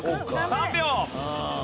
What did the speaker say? ３秒！